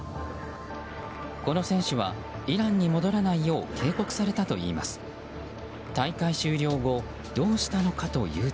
この選手はイランに戻らないよう警告されたといいます。